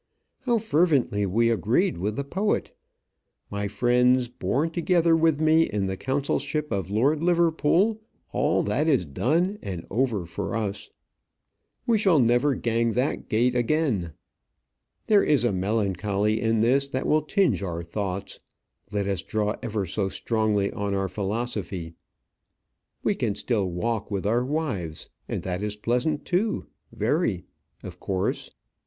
How fervently we agreed with the poet! My friends, born together with me in the consulship of Lord Liverpool, all that is done and over for us. We shall never gang that gait' again. There is a melancholy in this that will tinge our thoughts, let us draw ever so strongly on our philosophy. We can still walk with our wives; and that is pleasant too, very of course.